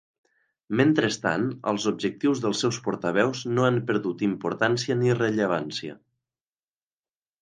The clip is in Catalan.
Mentrestant, els objectius dels seus portaveus no han perdut importància ni rellevància.